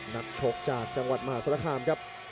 นักชกจากจังหวัดมหาศาลคามครับ